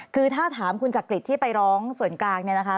คือถ้าถามคุณจักริตที่ไปร้องส่วนกลางเนี่ยนะคะ